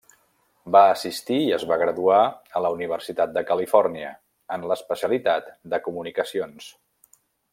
Va assistir i es va graduar a la Universitat de Califòrnia, en l'especialitat de comunicacions.